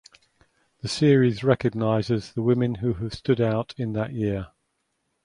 The series recognizes the women who have stood out in that year.